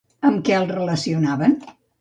Amb què el relacionaven?